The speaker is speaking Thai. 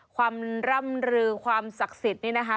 ความร่ำลือความศักดิ์สิทธิ์นี่นะคะ